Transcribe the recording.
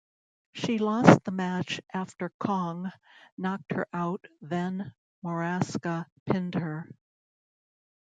She lost the match after Kong knocked her out then Morasca pinned her.